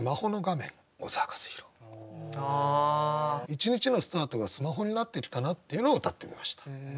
一日のスタートがスマホになってきたなっていうのをうたってみました。